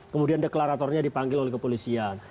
kemudian deklaratornya dipanggil oleh kepolisian